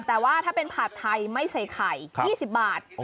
แต่ว่าถ้าเป็นผัดไทยไม่ใส่ไข่๒๐บาท